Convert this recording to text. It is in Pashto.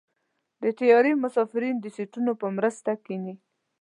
د طیارې مسافرین د سیټونو په مرسته کېني.